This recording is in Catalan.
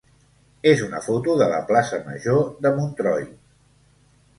és una foto de la plaça major de Montroi.